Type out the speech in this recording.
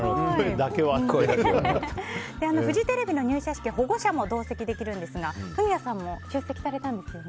フジテレビの入社式は保護者も同席できるんですがフミヤさんも出席されたんですよね。